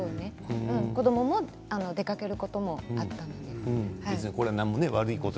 子どもも出かけることがあったので。